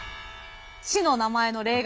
市の名前の例外